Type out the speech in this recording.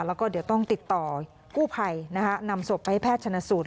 แล้วก็เดี๋ยวต้องติดต่อกู้ภัยนะคะนำศพไปให้แพทย์ชนสูตร